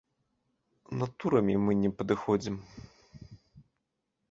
Натурамі мы не падыходзім.